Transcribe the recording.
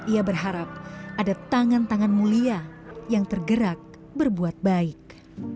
ia berharap ada tangan tangan mulia yang tergerak berbuat baik